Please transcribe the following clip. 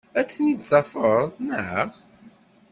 Ad ten-id-tafeḍ, naɣ?